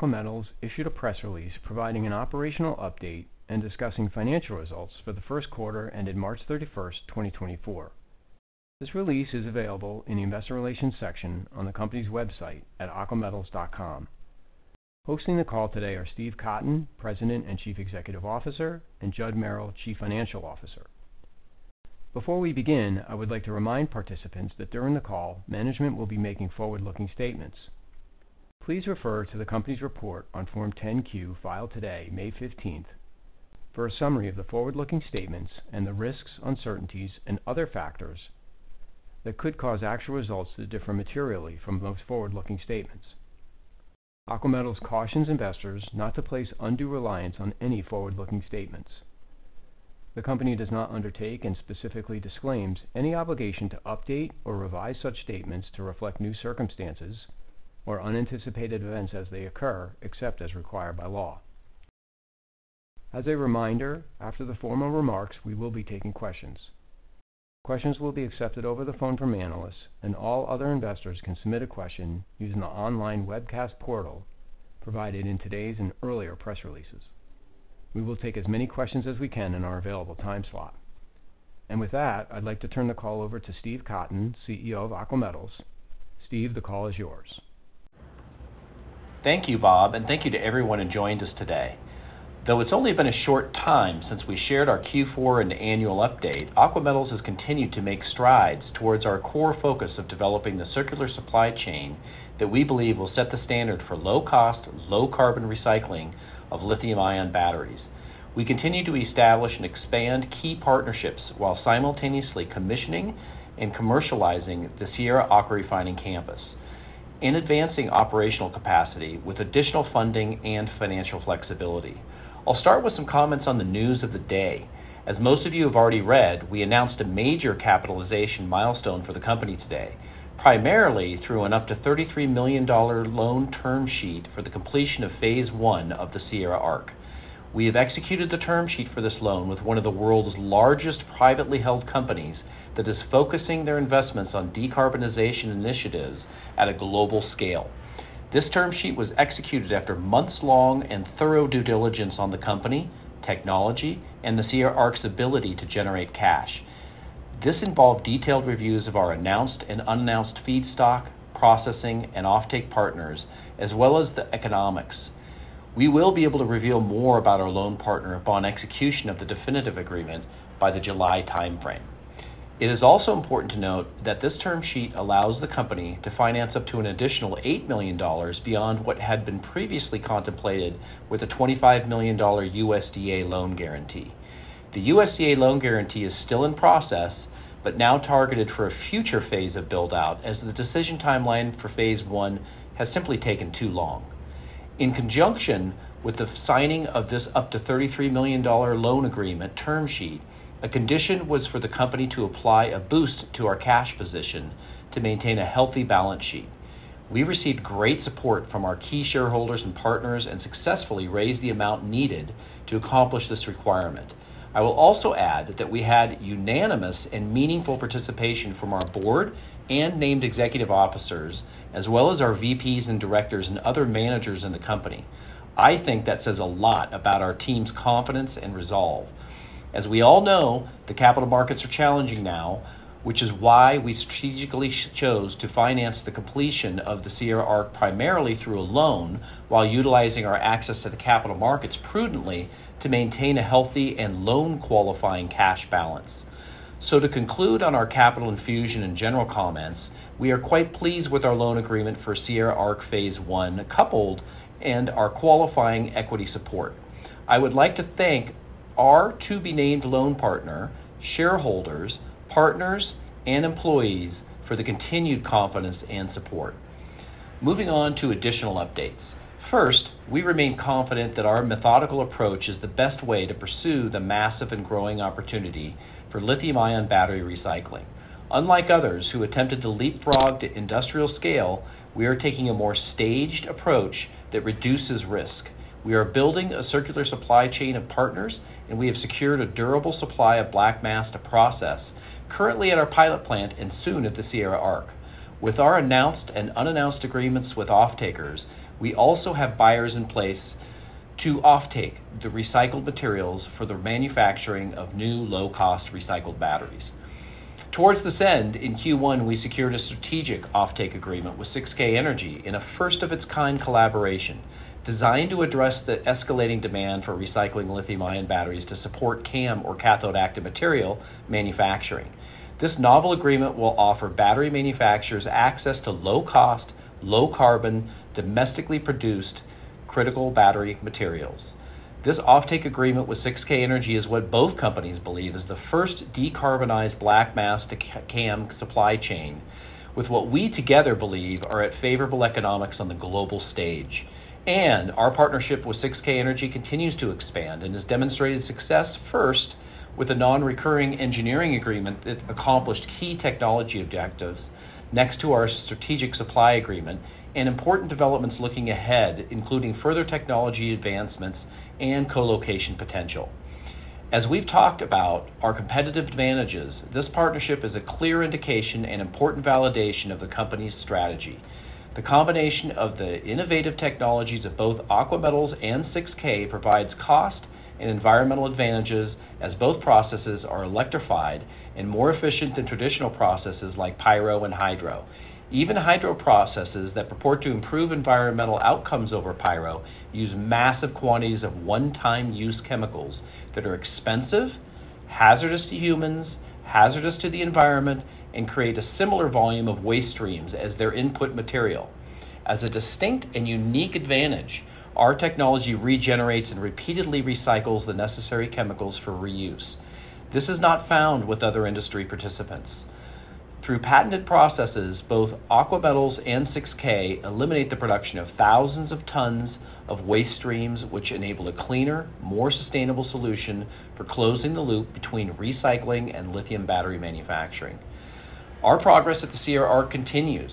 Aqua Metals issued a press release providing an operational update and discussing financial results for the first quarter ended March 31, 2024. This release is available in the Investor Relations section on the company's website at aquametals.com. Hosting the call today are Steve Cotton, President and Chief Executive Officer, and Judd Merrill, Chief Financial Officer. Before we begin, I would like to remind participants that during the call, management will be making forward-looking statements. Please refer to the company's report on Form 10-Q filed today, May 15, for a summary of the forward-looking statements and the risks, uncertainties and other factors that could cause actual results to differ materially from those forward-looking statements. Aqua Metals cautions investors not to place undue reliance on any forward-looking statements. The company does not undertake and specifically disclaims any obligation to update or revise such statements to reflect new circumstances or unanticipated events as they occur, except as required by law. As a reminder, after the formal remarks, we will be taking questions. Questions will be accepted over the phone from analysts, and all other investors can submit a question using the online webcast portal provided in today's and earlier press releases. We will take as many questions as we can in our available time slot. And with that, I'd like to turn the call over to Steve Cotton, CEO of Aqua Metals. Steve, the call is yours. Thank you, Bob, and thank you to everyone who joined us today. Though it's only been a short time since we shared our Q4 and annual update, Aqua Metals has continued to make strides towards our core focus of developing the circular supply chain that we believe will set the standard for low-cost, low-carbon recycling of lithium-ion batteries. We continue to establish and expand key partnerships while simultaneously commissioning and commercializing the Sierra AquaRefining Campus in advancing operational capacity with additional funding and financial flexibility. I'll start with some comments on the news of the day. As most of you have already read, we announced a major capitalization milestone for the company today, primarily through an up to $33 million loan term sheet for the completion of phase one of the Sierra ARC. We have executed the term sheet for this loan with one of the world's largest privately held companies that is focusing their investments on decarbonization initiatives at a global scale. This term sheet was executed after months-long and thorough due diligence on the company, technology, and the Sierra ARC's ability to generate cash. This involved detailed reviews of our announced and unannounced feedstock, processing, and offtake partners, as well as the economics. We will be able to reveal more about our loan partner upon execution of the definitive agreement by the July timeframe. It is also important to note that this term sheet allows the company to finance up to an additional $8 million beyond what had been previously contemplated with a $25 million USDA loan guarantee. The USDA loan guarantee is still in process, but now targeted for a future phase of build-out, as the decision timeline for phase one has simply taken too long. In conjunction with the signing of this up to $33 million loan agreement term sheet, a condition was for the company to apply a boost to our cash position to maintain a healthy balance sheet. We received great support from our key shareholders and partners, and successfully raised the amount needed to accomplish this requirement. I will also add that we had unanimous and meaningful participation from our board and named executive officers, as well as our VPs and directors and other managers in the company. I think that says a lot about our team's confidence and resolve. As we all know, the capital markets are challenging now, which is why we strategically chose to finance the completion of the Sierra ARC primarily through a loan, while utilizing our access to the capital markets prudently to maintain a healthy and loan-qualifying cash balance. So to conclude on our capital infusion and general comments, we are quite pleased with our loan agreement for Sierra ARC phase I, coupled and our qualifying equity support. I would like to thank our to-be-named loan partner, shareholders, partners, and employees for the continued confidence and support. Moving on to additional updates. First, we remain confident that our methodical approach is the best way to pursue the massive and growing opportunity for lithium-ion battery recycling. Unlike others who attempted to leapfrog to industrial scale, we are taking a more staged approach that reduces risk. We are building a circular supply chain of partners, and we have secured a durable supply of black mass to process, currently at our pilot plant and soon at the Sierra ARC. With our announced and unannounced agreements with off-takers, we also have buyers in place to offtake the recycled materials for the manufacturing of new, low-cost, recycled batteries. Towards this end, in Q1, we secured a strategic offtake agreement with 6K Energy in a first-of-its-kind collaboration designed to address the escalating demand for recycling lithium-ion batteries to support CAM, or cathode active material, manufacturing. This novel agreement will offer battery manufacturers access to low-cost, low-carbon, domestically produced critical battery materials. This offtake agreement with 6K Energy is what both companies believe is the first decarbonized black mass to CAM supply chain, with what we together believe are at favorable economics on the global stage. And our partnership with 6K Energy continues to expand and has demonstrated success, first with a non-recurring engineering agreement that accomplished key technology objectives next to our strategic supply agreement and important developments looking ahead, including further technology advancements and co-location potential. As we've talked about our competitive advantages, this partnership is a clear indication and important validation of the company's strategy. The combination of the innovative technologies of both Aqua Metals and 6K provides cost and environmental advantages, as both processes are electrified and more efficient than traditional processes like pyro and hydro. Even hydro processes that purport to improve environmental outcomes over pyro use massive quantities of one-time use chemicals that are expensive, hazardous to humans, hazardous to the environment, and create a similar volume of waste streams as their input material. As a distinct and unique advantage, our technology regenerates and repeatedly recycles the necessary chemicals for reuse. This is not found with other industry participants. Through patented processes, both Aqua Metals and 6K eliminate the production of thousands of tons of waste streams, which enable a cleaner, more sustainable solution for closing the loop between recycling and lithium battery manufacturing. Our progress at the Sierra ARC continues.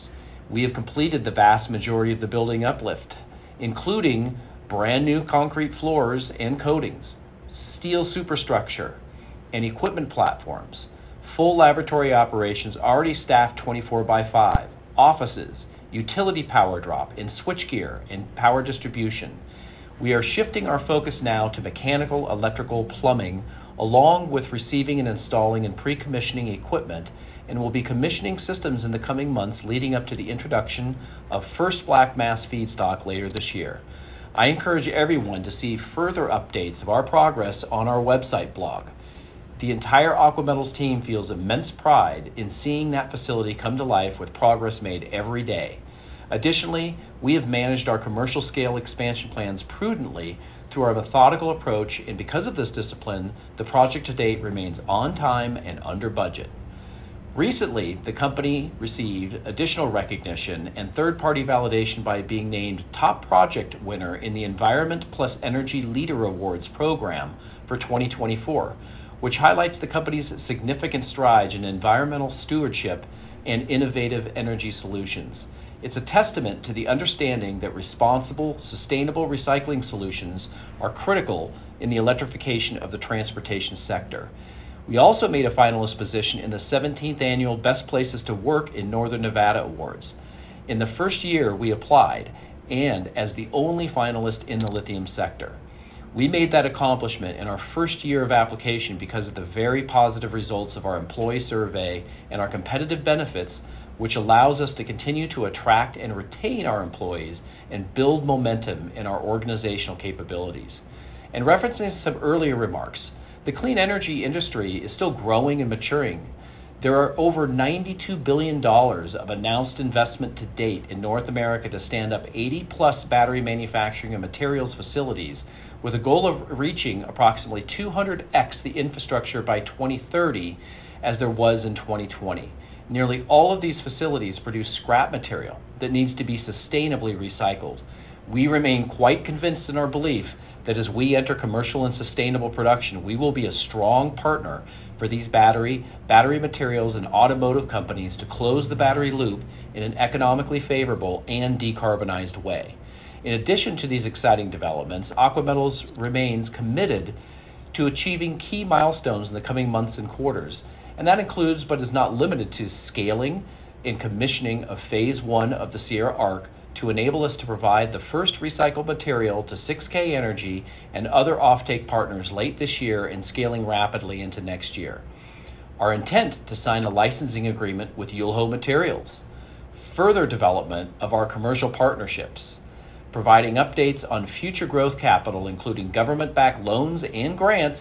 We have completed the vast majority of the building uplift, including brand-new concrete floors and coatings, steel superstructure and equipment platforms, full laboratory operations already staffed 24 by 5, offices, utility power drop, and switchgear, and power distribution. We are shifting our focus now to mechanical, electrical, plumbing, along with receiving and installing and pre-commissioning equipment, and we'll be commissioning systems in the coming months leading up to the introduction of first black mass feedstock later this year. I encourage everyone to see further updates of our progress on our website blog. The entire Aqua Metals team feels immense pride in seeing that facility come to life with progress made every day. Additionally, we have managed our commercial scale expansion plans prudently through our methodical approach, and because of this discipline, the project to date remains on time and under budget. Recently, the company received additional recognition and third-party validation by being named Top Project Winner in the Environment+Energy Leader Awards program for 2024, which highlights the company's significant strides in environmental stewardship and innovative energy solutions. It's a testament to the understanding that responsible, sustainable recycling solutions are critical in the electrification of the transportation sector. We also made a finalist position in the 17th Annual Best Places to Work in Northern Nevada Awards. In the first year, we applied, and as the only finalist in the lithium sector, we made that accomplishment in our first year of application because of the very positive results of our employee survey and our competitive benefits, which allows us to continue to attract and retain our employees and build momentum in our organizational capabilities. And referencing some earlier remarks, the clean energy industry is still growing and maturing. There are over $92 billion of announced investment to date in North America to stand up 80+ battery manufacturing and materials facilities, with a goal of reaching approximately 200x the infrastructure by 2030, as there was in 2020. Nearly all of these facilities produce scrap material that needs to be sustainably recycled. We remain quite convinced in our belief that as we enter commercial and sustainable production, we will be a strong partner for these battery, battery materials, and automotive companies to close the battery loop in an economically favorable and decarbonized way. In addition to these exciting developments, Aqua Metals remains committed to achieving key milestones in the coming months and quarters, and that includes, but is not limited to scaling and commissioning of phase I of the Sierra ARC to enable us to provide the first recycled material to 6K Energy and other offtake partners late this year, and scaling rapidly into next year. Our intent to sign a licensing agreement with Yulho Materials, further development of our commercial partnerships, providing updates on future growth capital, including government-backed loans and grants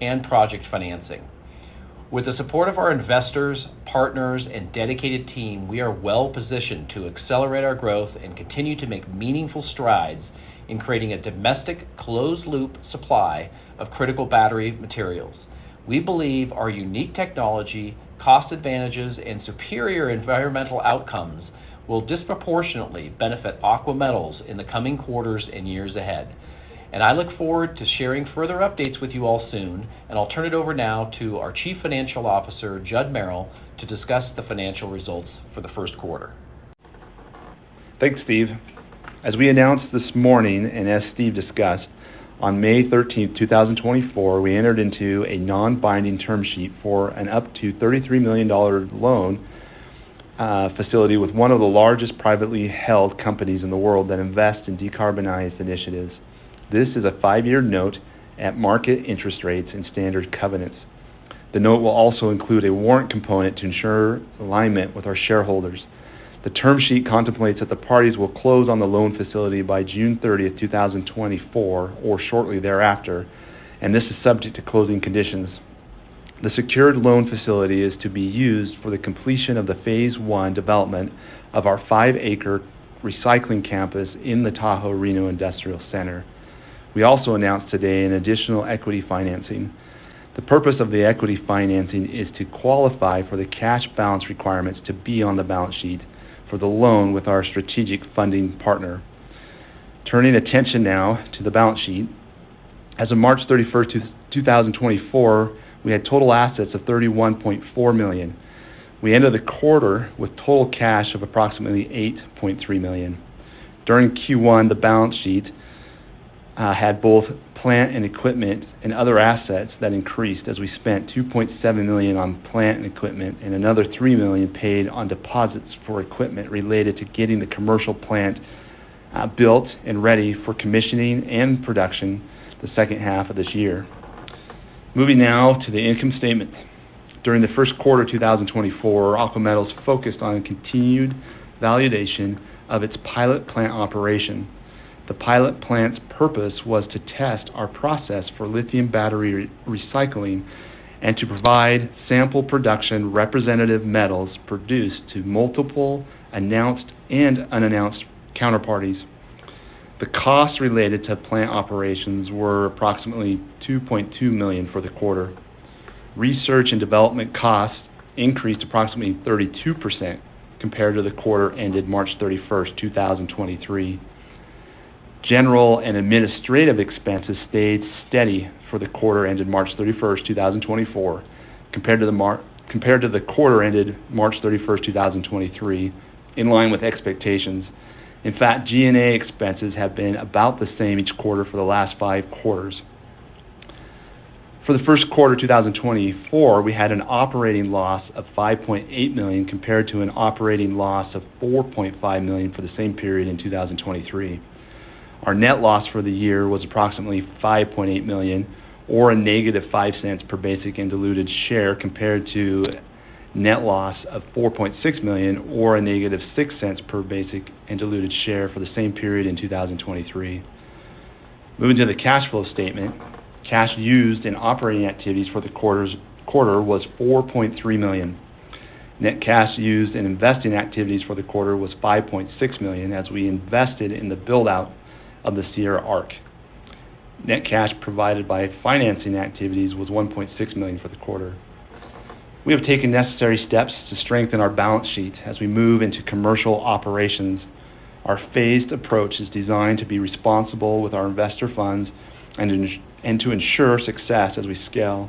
and project financing. With the support of our investors, partners, and dedicated team, we are well positioned to accelerate our growth and continue to make meaningful strides in creating a domestic, closed-loop supply of critical battery materials. We believe our unique technology, cost advantages, and superior environmental outcomes will disproportionately benefit Aqua Metals in the coming quarters and years ahead. I look forward to sharing further updates with you all soon. I'll turn it over now to our Chief Financial Officer, Judd Merrill, to discuss the financial results for the first quarter. Thanks, Steve. As we announced this morning, and as Steve discussed, on May 13, 2024, we entered into a non-binding term sheet for an up to $33 million loan facility with one of the largest privately held companies in the world that invest in decarbonized initiatives. This is a five-year note at market interest rates and standard covenants. The note will also include a warrant component to ensure alignment with our shareholders. The term sheet contemplates that the parties will close on the loan facility by June 30, 2024, or shortly thereafter, and this is subject to closing conditions. The secured loan facility is to be used for the completion of the phase I development of our 5-acre recycling campus in the Tahoe Reno Industrial Center. We also announced today an additional equity financing. The purpose of the equity financing is to qualify for the cash balance requirements to be on the balance sheet for the loan with our strategic funding partner. Turning attention now to the balance sheet. As of March 31, 2024, we had total assets of $31.4 million. We ended the quarter with total cash of approximately $8.3 million. During Q1, the balance sheet had both plant and equipment and other assets that increased as we spent $2.7 million on plant and equipment and another $3 million paid on deposits for equipment related to getting the commercial plant built and ready for commissioning and production the second half of this year. Moving now to the income statement. During the first quarter of 2024, Aqua Metals focused on a continued validation of its pilot plant operation. The pilot plant's purpose was to test our process for lithium battery recycling and to provide sample production representative metals produced to multiple announced and unannounced counterparties. The costs related to plant operations were approximately $2.2 million for the quarter. Research and development costs increased approximately 32% compared to the quarter ended March thirty-first, two thousand and twenty-three. General and administrative expenses stayed steady for the quarter ended March thirty-first, two thousand and twenty-four, compared to the quarter ended March thirty-first, two thousand and twenty-three, in line with expectations. In fact, G&A expenses have been about the same each quarter for the last five quarters. For the first quarter of 2024, we had an operating loss of $5.8 million, compared to an operating loss of $4.5 million for the same period in 2023. Our net loss for the year was approximately $5.8 million, or -$0.05 per basic and diluted share, compared to net loss of $4.6 million, or -$0.06 per basic and diluted share for the same period in 2023. Moving to the cash flow statement, cash used in operating activities for the quarter was $4.3 million. Net cash used in investing activities for the quarter was $5.6 million, as we invested in the build-out of the Sierra ARC. Net cash provided by financing activities was $1.6 million for the quarter. We have taken necessary steps to strengthen our balance sheet as we move into commercial operations. Our phased approach is designed to be responsible with our investor funds and to ensure success as we scale.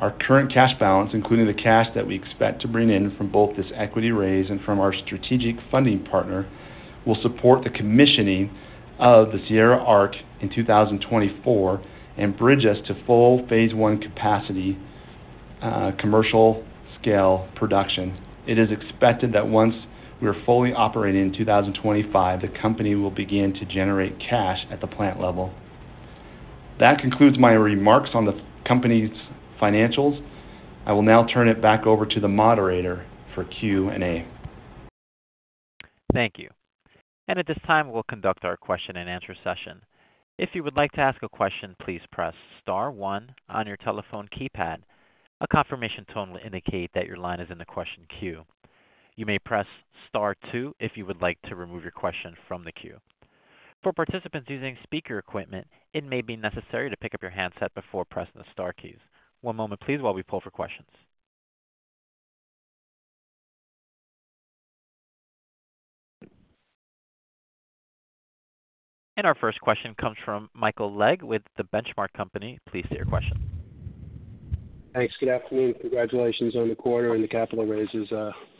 Our current cash balance, including the cash that we expect to bring in from both this equity raise and from our strategic funding partner, will support the commissioning of the Sierra ARC in 2024 and bridge us to full phase I capacity, commercial scale production. It is expected that once we are fully operating in 2025, the company will begin to generate cash at the plant level. That concludes my remarks on the company's financials. I will now turn it back over to the moderator for Q&A. Thank you. At this time, we'll conduct our question-and-answer session. If you would like to ask a question, please press star one on your telephone keypad. A confirmation tone will indicate that your line is in the question queue. You may press star two if you would like to remove your question from the queue. For participants using speaker equipment, it may be necessary to pick up your handset before pressing the star keys. One moment please, while we pull for questions. Our first question comes from Michael Legg with The Benchmark Company. Please state your question. Thanks. Good afternoon. Congratulations on the quarter and the capital raises,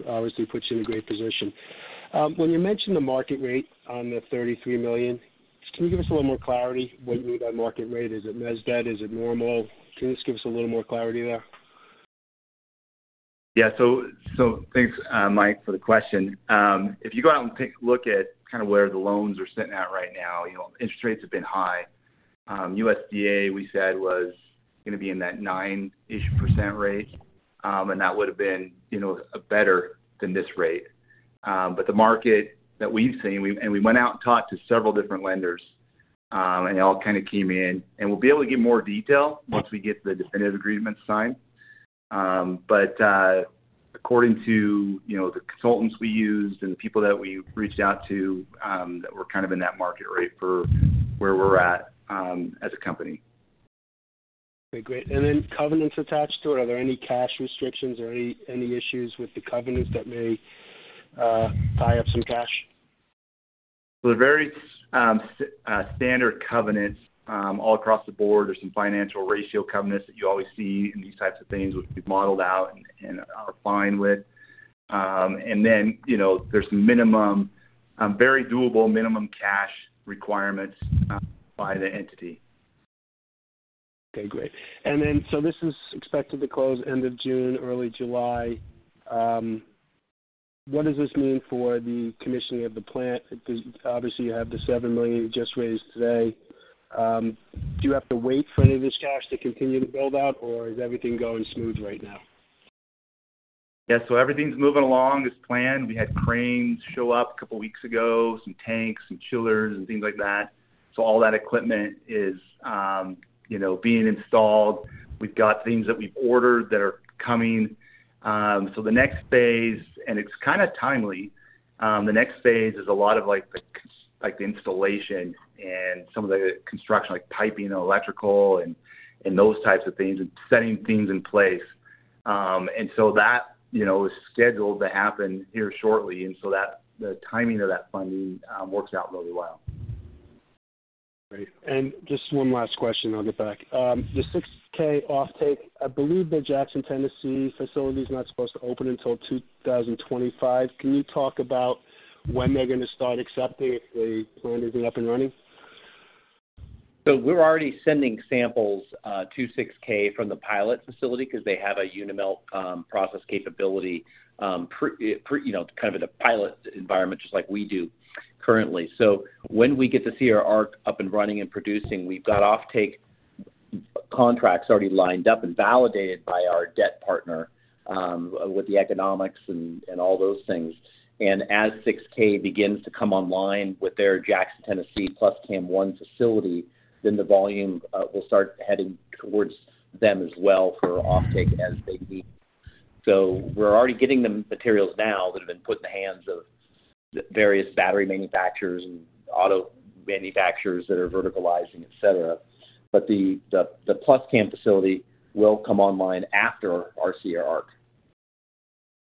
obviously puts you in a great position. When you mentioned the market rate on the $33 million, can you give us a little more clarity what you mean by market rate? Is it mezz debt? Is it normal? Can you just give us a little more clarity there? Yeah, so thanks, Mike, for the question. If you go out and take a look at kind of where the loans are sitting at right now, you know, interest rates have been high. USDA, we said, was going to be in that 9%-ish rate, and that would have been, you know, better than this rate. But the market that we've seen, and we went out and talked to several different lenders, and they all kind of came in. And we'll be able to give more detail once we get the definitive agreement signed. But, according to, you know, the consultants we used and the people that we reached out to, that we're kind of in that market rate for where we're at, as a company. Okay, great. And then covenants attached to it, are there any cash restrictions or any issues with the covenants that may tie up some cash? So they're very standard covenants all across the board. There's some financial ratio covenants that you always see in these types of things, which we've modeled out and are fine with. And then you know, there's minimum very doable minimum cash requirements by the entity. Okay, great. This is expected to close end of June, early July. What does this mean for the commissioning of the plant? Because obviously, you have the $7 million you just raised today. Do you have to wait for any of this cash to continue to build out, or is everything going smooth right now? Yeah, so everything's moving along as planned. We had cranes show up a couple weeks ago, some tanks, some chillers, and things like that. So all that equipment is, you know, being installed. We've got things that we've ordered that are coming. So the next phase, and it's kind of timely, the next phase is a lot of, like, the installation and some of the construction, like piping and electrical and those types of things, and setting things in place. And so that, you know, is scheduled to happen here shortly, and so that the timing of that funding works out really well. Great. And just one last question, I'll get back. The 6K offtake, I believe the Jackson, Tennessee facility is not supposed to open until 2025. Can you talk about when they're going to start accepting if they plan to be up and running? So we're already sending samples to 6K from the pilot facility because they have a UniMelt process capability, pre- you know, kind of in a pilot environment, just like we do currently. So when we get the Sierra ARC up and running and producing, we've got offtake contracts already lined up and validated by our debt partner with the economics and all those things. And as 6K begins to come online with their Jackson, Tennessee, PlusCAM one facility, then the volume will start heading towards them as well for offtake as they need. So we're already getting them materials now that have been put in the hands of the various battery manufacturers and auto manufacturers that are verticalizing, et cetera. But the PlusCAM facility will come online after our Sierra ARC,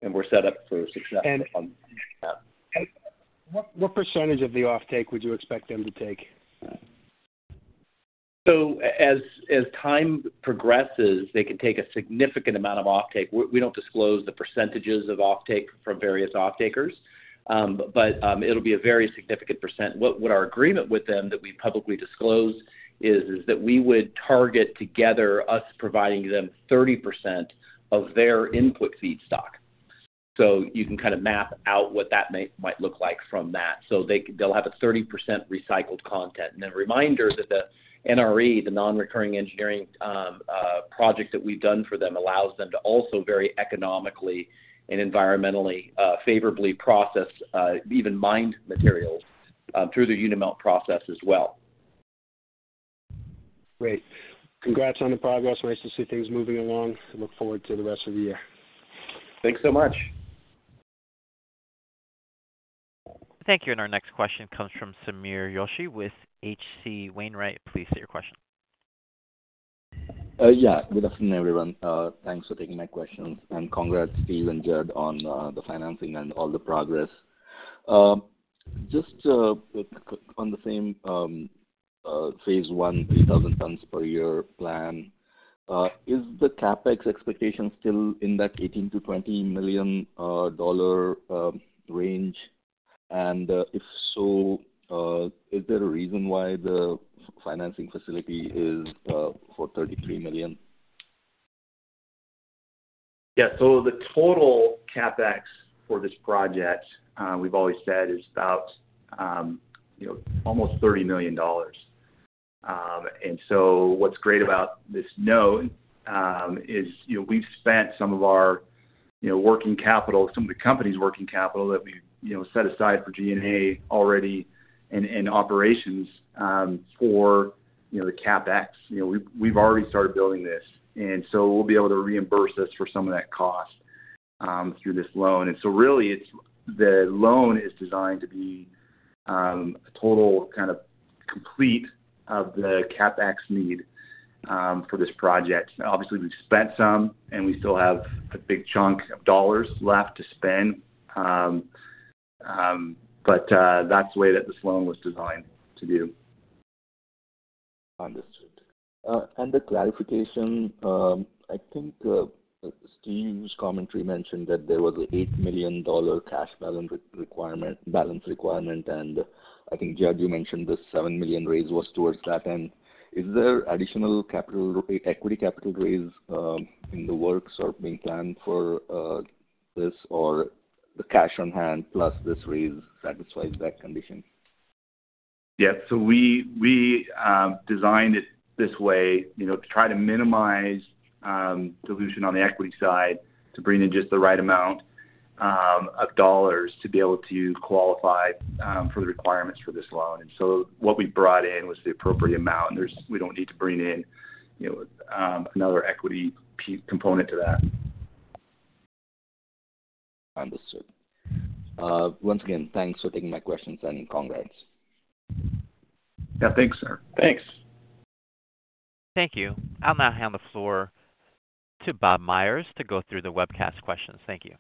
and we're set up for success on that. What, what percentage of the offtake would you expect them to take? So as time progresses, they can take a significant amount of offtake. We don't disclose the percentages of offtake from various offtakers, but it'll be a very significant percent. What our agreement with them that we publicly disclosed is that we would target together, us providing them 30% of their input feedstock. So you can kind of map out what that might look like from that. So they'll have a 30% recycled content. And then a reminder that the NRE, the nonrecurring engineering, project that we've done for them allows them to also very economically and environmentally favorably process even mined materials through the UniMelt process as well. Great. Congrats on the progress. Nice to see things moving along, and look forward to the rest of the year. Thanks so much. Thank you, and our next question comes from Sameer Joshi with H.C. Wainwright. Please state your question. Yeah, good afternoon, everyone. Thanks for taking my questions. Congrats, Steve and Judd, on the financing and all the progress. Just on the same phase I, 3,000 tons per year plan, is the CapEx expectation still in that $18 million-$20 million range? If so, is there a reason why the financing facility is for $33 million? Yeah, so the total CapEx for this project, we've always said, is about, you know, almost $30 million. And so what's great about this note, is, you know, we've spent some of our, you know, working capital, some of the company's working capital that we, you know, set aside for G&A already and operations, for, you know, the CapEx. You know, we've already started building this, and so we'll be able to reimburse this for some of that cost, through this loan. And so really, it's the loan is designed to be, a total kind of complete of the CapEx need, for this project. Now, obviously, we've spent some, and we still have a big chunk of dollars left to spend, but that's the way that this loan was designed to do. Understood. And the clarification, I think, Steve's commentary mentioned that there was an $8 million cash balance requirement, and I think, Judd, you mentioned the $7 million raise was towards that end. Is there additional capital, equity capital raise, in the works or being planned for this, or the cash on hand plus this raise satisfies that condition? Yeah, so we designed it this way, you know, to try to minimize dilution on the equity side, to bring in just the right amount of dollars to be able to qualify for the requirements for this loan. And so what we brought in was the appropriate amount, and we don't need to bring in, you know, another equity key component to that. Understood. Once again, thanks for taking my questions and congrats. Yeah, thanks, sir. Thanks. Thank you. I'll now hand the floor to Bob Meyers to go through the webcast questions. Thank you.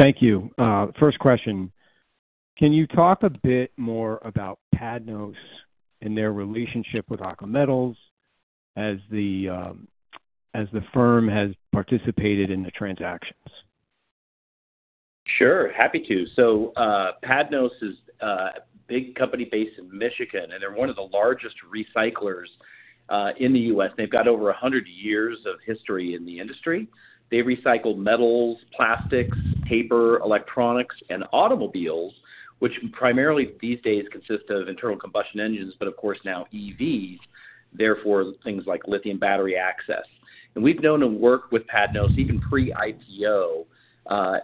Thank you. First question: Can you talk a bit more about PADNOS and their relationship with Aqua Metals as the firm has participated in the transactions? Sure, happy to. So, PADNOS is a big company based in Michigan, and they're one of the largest recyclers in the U.S. They've got over 100 years of history in the industry. They recycle metals, plastics, paper, electronics, and automobiles, which primarily these days consist of internal combustion engines, but of course now EVs, therefore things like lithium battery access. And we've known and worked with PADNOS even pre-IPO,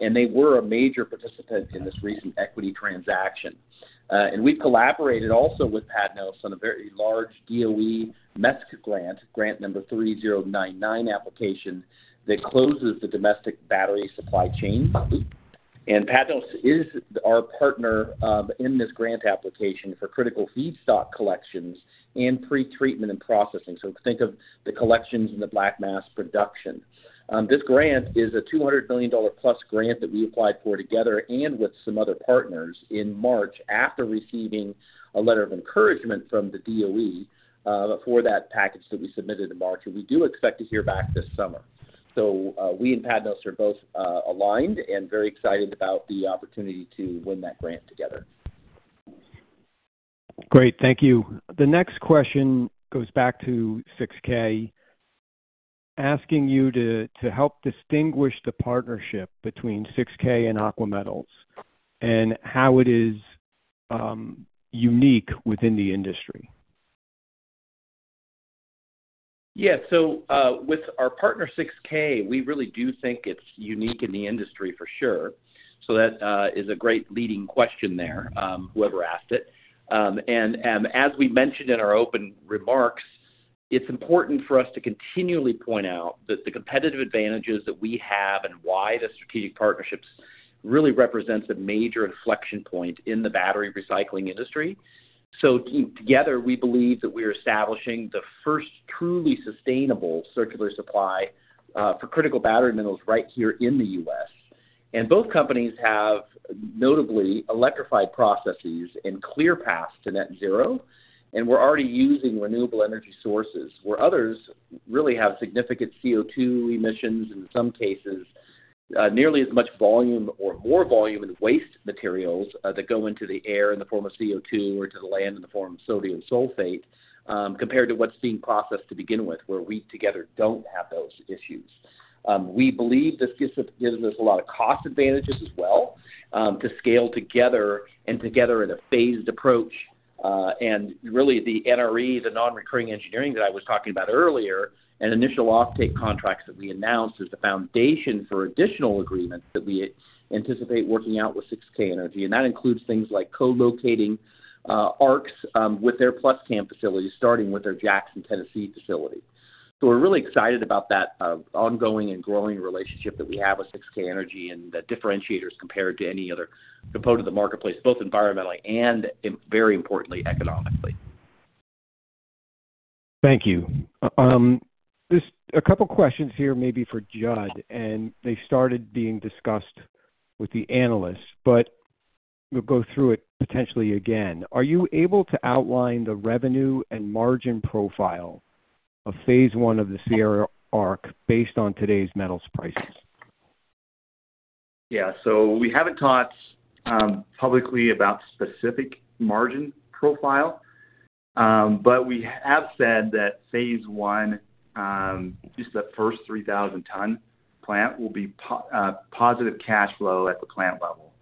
and they were a major participant in this recent equity transaction. And we've collaborated also with PADNOS on a very large DOE MESC grant, grant number 3099 application, that closes the domestic battery supply chain. And PADNOS is our partner in this grant application for critical feedstock collections and pretreatment and processing. So think of the collections and the black mass production. This grant is a $200 million-plus grant that we applied for together and with some other partners in March, after receiving a letter of encouragement from the DOE for that package that we submitted in March, and we do expect to hear back this summer. So, we and PADNOS are both aligned and very excited about the opportunity to win that grant together. Great, thank you. The next question goes back to 6K, asking you to help distinguish the partnership between 6K and Aqua Metals and how it is, unique within the industry. Yeah, so, with our partner, 6K, we really do think it's unique in the industry for sure. So that is a great leading question there, whoever asked it. And as we mentioned in our open remarks, it's important for us to continually point out that the competitive advantages that we have and why the strategic partnerships really represents a major inflection point in the battery recycling industry. So together, we believe that we are establishing the first truly sustainable circular supply for critical battery metals right here in the U.S. And both companies have notably electrified processes and clear paths to net zero, and we're already using renewable energy sources, where others really have significant CO2 emissions, in some cases, nearly as much volume or more volume in waste materials, that go into the air in the form of CO2, or to the land in the form of sodium sulfate, compared to what's being processed to begin with, where we together don't have those issues. We believe this gives us, gives us a lot of cost advantages as well, to scale together and together in a phased approach. And really, the NRE, the non-recurring engineering that I was talking about earlier, and initial offtake contracts that we announced, is the foundation for additional agreements that we anticipate working out with 6K Energy. That includes things like co-locating ARCs with their PlusCAM facilities, starting with their Jackson, Tennessee facility. So we're really excited about that ongoing and growing relationship that we have with 6K Energy and the differentiators compared to any other component of the marketplace, both environmentally and, very importantly, economically. Thank you. Just a couple questions here, maybe for Judd, and they started being discussed with the analysts, but we'll go through it potentially again. Are you able to outline the revenue and margin profile of phase I of the Sierra ARC based on today's metals prices? Yeah. So we haven't talked publicly about specific margin profile. But we have said that phase I, just the first 3,000-ton plant, will be positive cash flow at the plant level.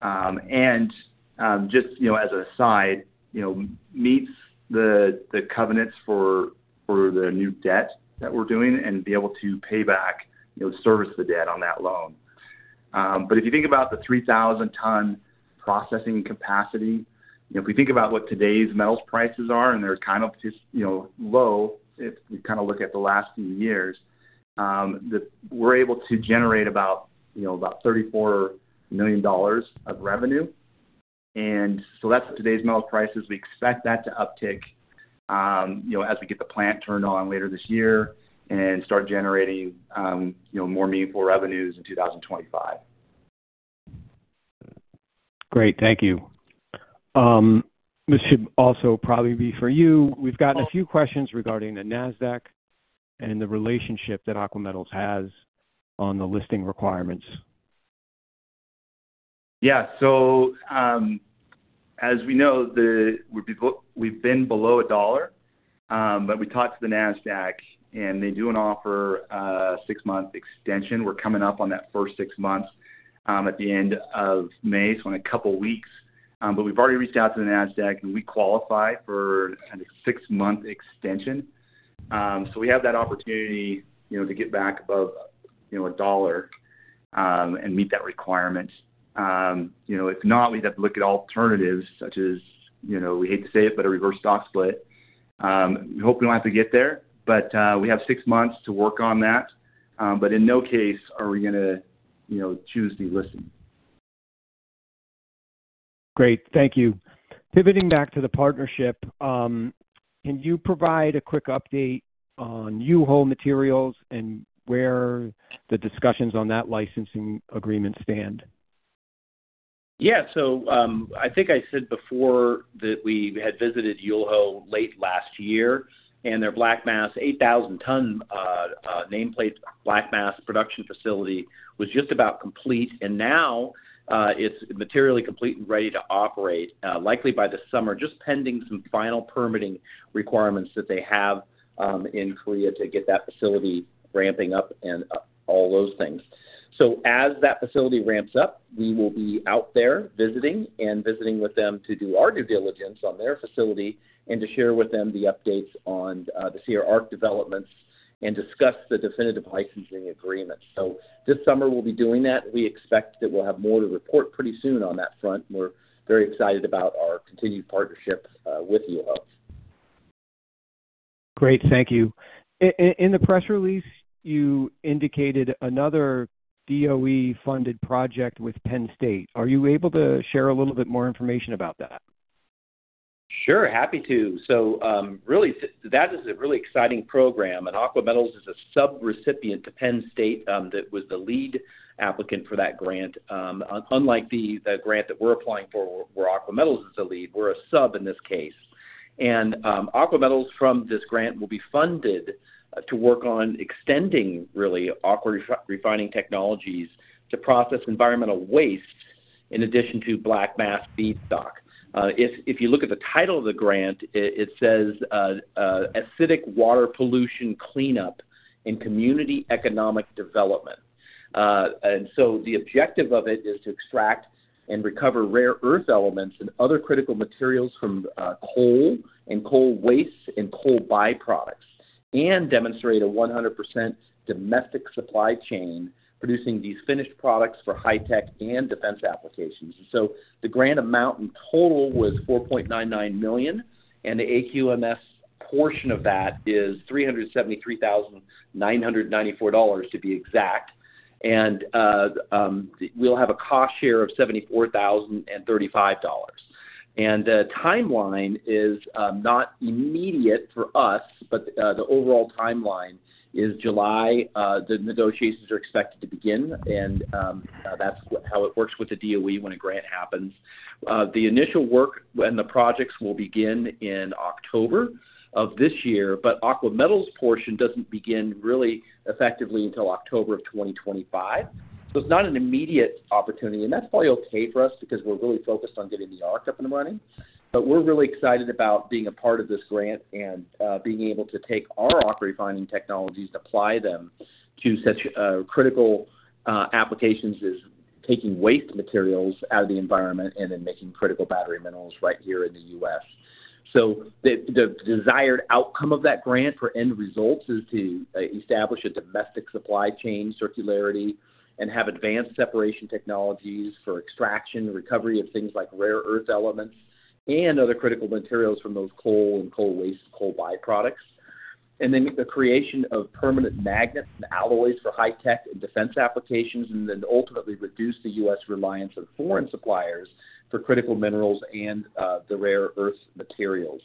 And, just, you know, as a side, you know, meets the covenants for the new debt that we're doing and be able to pay back, you know, service the debt on that loan. But if you think about the 3,000-ton processing capacity, you know, if we think about what today's metals prices are, and they're kind of just, you know, low, if you kind of look at the last few years, we're able to generate about, you know, about $34 million of revenue. And so that's today's metal prices. We expect that to uptick, you know, as we get the plant turned on later this year and start generating, you know, more meaningful revenues in 2025. Great, thank you. This should also probably be for you. We've gotten a few questions regarding the NASDAQ and the relationship that Aqua Metals has on the listing requirements. Yeah. So, as we know, we've been below $1, but we talked to the NASDAQ and they do an offer six-month extension. We're coming up on that first six months at the end of May, so in a couple of weeks. But we've already reached out to the NASDAQ, and we qualify for a six-month extension. So we have that opportunity, you know, to get back above $1, you know, and meet that requirement. You know, if not, we'd have to look at alternatives such as, you know, we hate to say it, but a reverse stock split. We hope we don't have to get there, but we have six months to work on that. But in no case are we gonna, you know, choose delisting. Great, thank you. Pivoting back to the partnership, can you provide a quick update on Yulho Materials and where the discussions on that licensing agreement stand? Yeah. So, I think I said before that we had visited Yulho late last year, and their black mass, 8,000-ton nameplate black mass production facility was just about complete, and now, it's materially complete and ready to operate, likely by the summer, just pending some final permitting requirements that they have in Korea to get that facility ramping up and all those things. So as that facility ramps up, we will be out there visiting and visiting with them to do our due diligence on their facility and to share with them the updates on the Sierra ARC developments and discuss the definitive licensing agreement. So this summer we'll be doing that. We expect that we'll have more to report pretty soon on that front. We're very excited about our continued partnership with Yulho. Great. Thank you. In the press release, you indicated another DOE-funded project with Penn State. Are you able to share a little bit more information about that? Sure, happy to. So, really, that is a really exciting program, and Aqua Metals is a subrecipient to Penn State, that was the lead applicant for that grant. Unlike the grant that we're applying for, where Aqua Metals is the lead, we're a sub in this case. Aqua Metals from this grant will be funded to work on extending really AquaRefining technologies to process environmental waste in addition to black mass feedstock. If you look at the title of the grant, it says Acidic Water Pollution Cleanup and Community Economic Development. And so the objective of it is to extract and recover rare earth elements and other critical materials from coal and coal waste and coal byproducts, and demonstrate a 100% domestic supply chain producing these finished products for high tech and defense applications. So the grant amount in total was $4.99 million, and the AQMS portion of that is $373,994, to be exact. And we'll have a cost share of $74,035. And the timeline is not immediate for us, but the overall timeline is July. The negotiations are expected to begin, and that's how it works with the DOE when a grant happens. The initial work and the projects will begin in October of this year, but Aqua Metals' portion doesn't begin really effectively until October of 2025. So it's not an immediate opportunity, and that's probably okay for us because we're really focused on getting the ARC up and running. But we're really excited about being a part of this grant and being able to take our AquaRefining technologies and apply them to such critical applications as taking waste materials out of the environment and then making critical battery minerals right here in the U.S. So the desired outcome of that grant for end results is to establish a domestic supply chain circularity and have advanced separation technologies for extraction, recovery of things like rare earth elements and other critical materials from those coal and coal waste, coal byproducts. And then the creation of permanent magnets and alloys for high tech and defense applications, and then ultimately reduce the U.S. reliance on foreign suppliers for critical minerals and, the rare earth materials.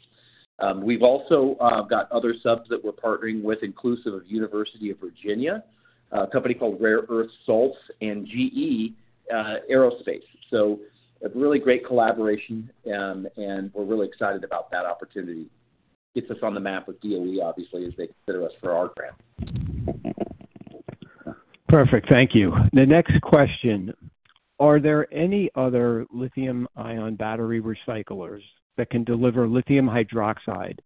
We've also got other subs that we're partnering with, inclusive of University of Virginia, a company called Rare Earth Salts and GE Aerospace. So a really great collaboration, and we're really excited about that opportunity. Gets us on the map with DOE, obviously, as they consider us for our grant. Perfect. Thank you. The next question: Are there any other lithium-ion battery recyclers that can deliver lithium hydroxide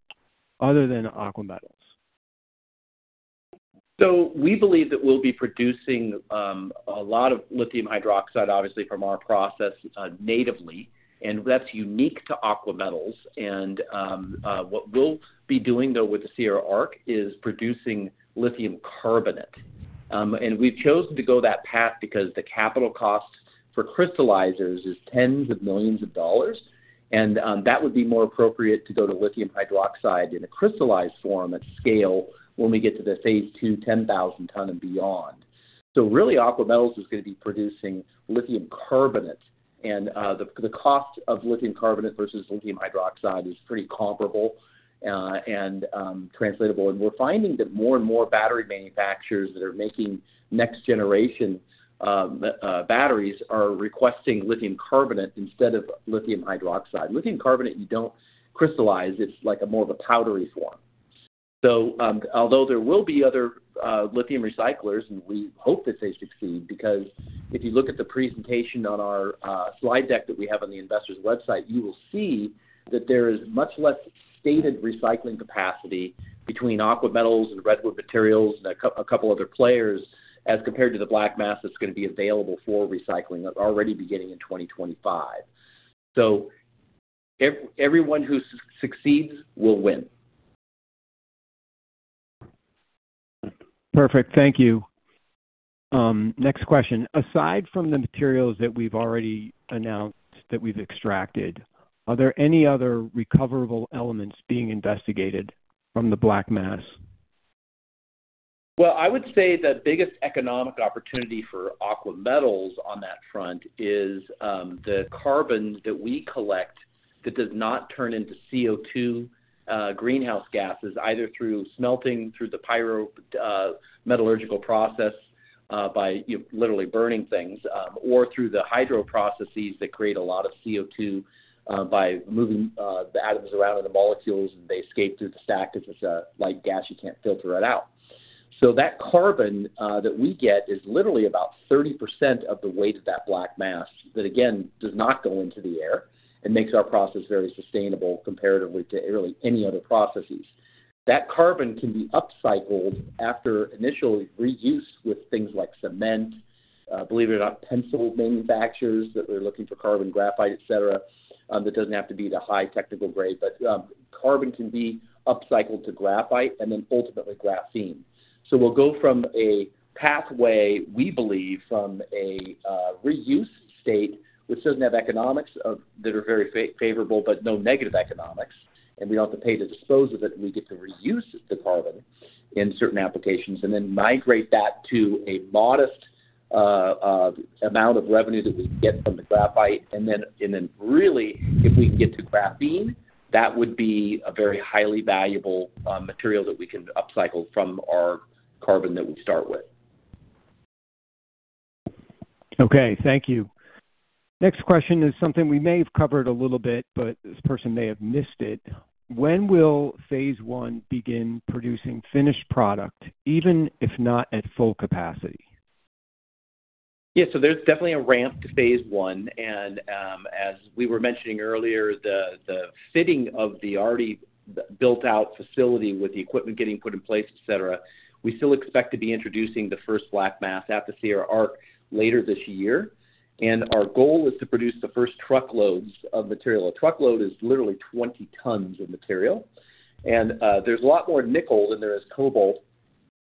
other than Aqua Metals? So we believe that we'll be producing a lot of lithium hydroxide, obviously, from our process, natively, and that's unique to Aqua Metals. And what we'll be doing, though, with the Sierra ARC, is producing lithium carbonate. And we've chosen to go that path because the capital cost for crystallizers is $tens of millions, and that would be more appropriate to go to lithium hydroxide in a crystallized form at scale when we get to the phase two, 10,000-ton and beyond. So really, Aqua Metals is gonna be producing lithium carbonate, and the cost of lithium carbonate versus lithium hydroxide is pretty comparable, and translatable. And we're finding that more and more battery manufacturers that are making next generation batteries are requesting lithium carbonate instead of lithium hydroxide. Lithium carbonate, you don't crystallize. It's like a more of a powdery form. So, although there will be other lithium recyclers, and we hope that they succeed, because if you look at the presentation on our slide deck that we have on the investors' website, you will see that there is much less stated recycling capacity between Aqua Metals and Redwood Materials and a couple other players, as compared to the black mass that's gonna be available for recycling, already beginning in 2025. So everyone who succeeds will win. Perfect. Thank you. Next question: Aside from the materials that we've already announced that we've extracted, are there any other recoverable elements being investigated from the black mass? Well, I would say the biggest economic opportunity for Aqua Metals on that front is, the carbon that we collect that does not turn into CO2, greenhouse gases, either through smelting, through the pyro, metallurgical process, by, you know, literally burning things, or through the hydro processes that create a lot of CO2, by moving, the atoms around in the molecules, and they escape through the stack. It's just a light gas, you can't filter it out. So that carbon, that we get is literally about 30% of the weight of that black mass, that again, does not go into the air and makes our process very sustainable comparatively to really any other processes. That carbon can be upcycled after initially reused with things like cement, believe it or not, pencil manufacturers that we're looking for carbon, graphite, et cetera, that doesn't have to be the high technical grade. But, carbon can be upcycled to graphite and then ultimately graphene. So we'll go from a pathway, we believe, from a reuse state, which doesn't have economics that are very favorable, but no negative economics, and we don't have to pay to dispose of it, and we get to reuse the carbon in certain applications, and then migrate that to a modest amount of revenue that we get from the graphite. And then, really, if we can get to graphene, that would be a very highly valuable material that we can upcycle from our carbon that we start with. Okay, thank you. Next question is something we may have covered a little bit, but this person may have missed it. When will phase I begin producing finished product, even if not at full capacity? Yeah, so there's definitely a ramp to phase one, and as we were mentioning earlier, the fitting of the already built-out facility with the equipment getting put in place, et cetera, we still expect to be introducing the first black mass out to Sierra ARC later this year. Our goal is to produce the first truckloads of material. A truckload is literally 20 tons of material, and there's a lot more nickel than there is cobalt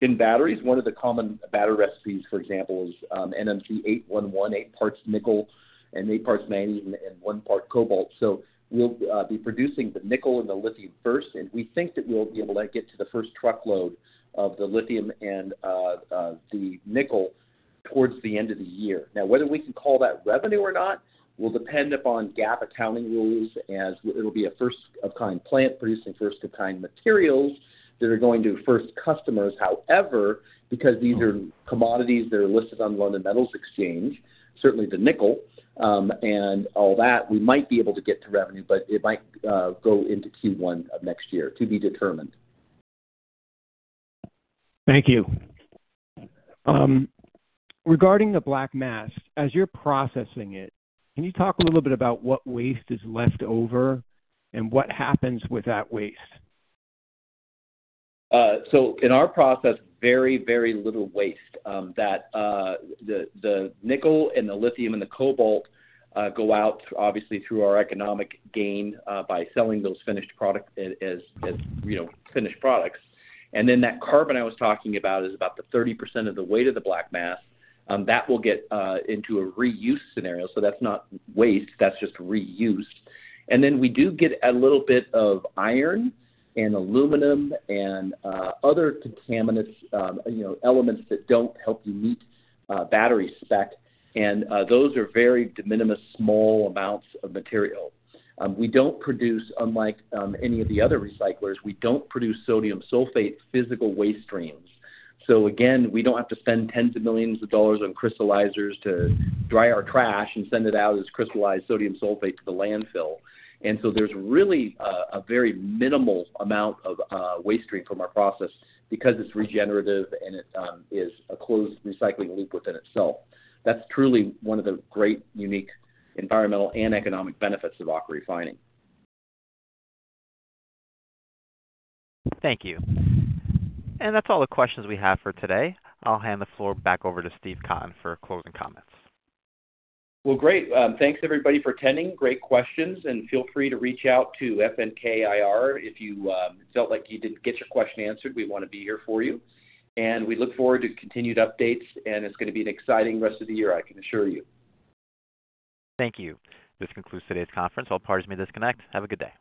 in batteries. One of the common battery recipes, for example, is NMC 811, eight parts nickel and eight parts manganese and one part cobalt. So we'll be producing the nickel and the lithium first, and we think that we'll be able to get to the first truckload of the lithium and the nickel towards the end of the year. Now, whether we can call that revenue or not, will depend upon GAAP accounting rules, as it'll be a first-of-kind plant producing first-of-kind materials that are going to first customers. However, because these are commodities that are listed on the London Metals Exchange, certainly the nickel, and all that, we might be able to get to revenue, but it might go into Q1 of next year. To be determined. Thank you. Regarding the black mass, as you're processing it, can you talk a little bit about what waste is left over and what happens with that waste? So in our process, very, very little waste. That the nickel and the lithium and the cobalt go out, obviously, through our economic gain by selling those finished products as you know finished products. And then that carbon I was talking about is about the 30% of the weight of the black mass that will get into a reuse scenario. So that's not waste, that's just reused. And then we do get a little bit of iron and aluminum and other contaminants, you know, elements that don't help you meet battery spec, and those are very de minimis, small amounts of material. We don't produce, unlike any of the other recyclers, we don't produce sodium sulfate physical waste streams. So again, we don't have to spend $tens of millions on crystallizers to dry our trash and send it out as crystallized sodium sulfate to the landfill. And so there's really a very minimal amount of waste stream from our process because it's regenerative and it is a closed recycling loop within itself. That's truly one of the great unique environmental and economic benefits of AquaRefining. Thank you. That's all the questions we have for today. I'll hand the floor back over to Steve Cotton for closing comments. Well, great. Thanks everybody for attending. Great questions, and feel free to reach out to FNK IR if you felt like you didn't get your question answered, we wanna be here for you. And we look forward to continued updates, and it's gonna be an exciting rest of the year, I can assure you. Thank you. This concludes today's conference. All parties may disconnect. Have a good day.